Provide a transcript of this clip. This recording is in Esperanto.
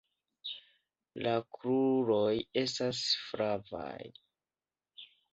La kruroj estas flavaj.